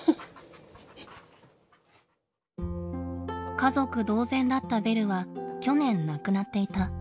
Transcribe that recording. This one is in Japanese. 家族同然だったベルは去年亡くなっていた。